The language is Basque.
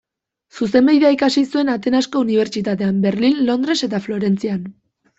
Zuzenbidea ikasi zuen Atenasko Unibertsitatean, Berlin, Londres eta Florentzian.